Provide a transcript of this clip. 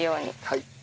はい。